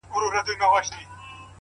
هغي نجلۍ چي زما له روحه به یې ساه شړله،